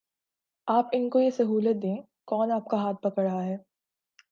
آپ ان کو یہ سہولت دیں، کون آپ کا ہاتھ پکڑ رہا ہے؟